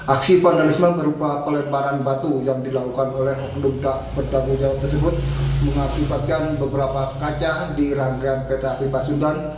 aksi vandalisme berupa pelemparan batu yang dilakukan oleh oknum tak bertanggung jawab tersebut mengakibatkan beberapa kaca di rangkaian kereta api pasundan